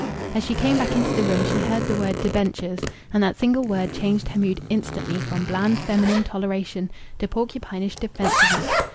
As she came back into the room she heard the word "debentures," and that single word changed her mood instantly from bland feminine toleration to porcupinish defensiveness.